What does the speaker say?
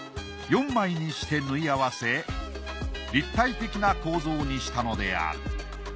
４枚にして縫い合わせ立体的な構造にしたのである。